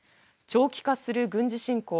長期化する軍事侵攻。